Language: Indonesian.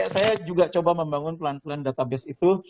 saya juga coba membangun pelan pelan database itu